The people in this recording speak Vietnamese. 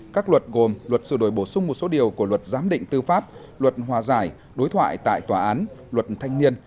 các luật gồm luật sửa đổi bổ sung một số điều của luật giám định tư pháp luật hòa giải đối thoại tại tòa án luật thanh niên